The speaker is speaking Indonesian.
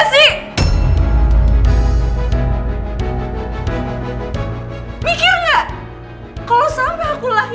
siapa yang suruh